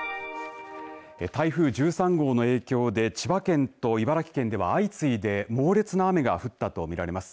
台風１３号の影響で千葉県と茨城県では相次いで猛烈な雨が降ったと見られます。